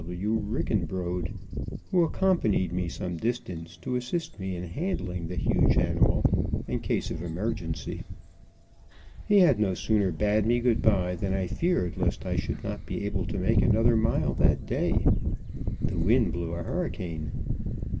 W. Rickenbrode, who accompanied me some distance to assist me in handling the huge animal, in case of emergency. He had no sooner bade me good bye than I feared lest I should not be able to make another mile that day. The wind blew a hurricane.